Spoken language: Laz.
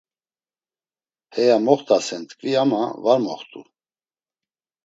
Heya moxtasen tkvi ama var moxtu.